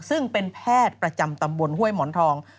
ซึ่งเป็นแพทย์ประจำตำบลห้วยหมอนทอง